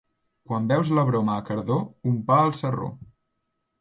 Quan veus la broma a Cardó, un pa al sarró.